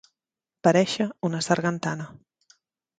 Paréixer una sargantana.